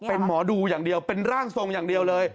เป็นหมอดูอย่างเดียวเป็นร่างทรงอย่างเดียวเลย